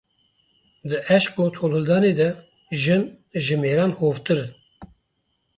Di eşq û tolhildanê de jin ji mêran hovtir in.